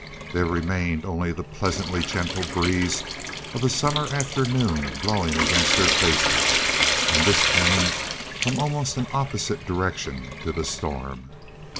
There remained only the pleasantly gentle breeze of a summer afternoon blowing against their faces. And this came from almost an opposite direction to the storm.